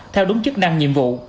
theo đúng chức năng nhiệm vụ